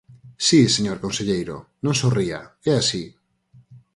Si, señor conselleiro, non sorría, é así.